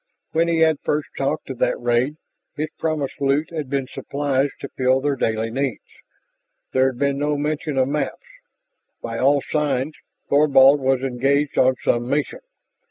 When he had first talked of that raid, his promised loot had been supplies to fill their daily needs; there had been no mention of maps. By all signs Thorvald was engaged on some mission.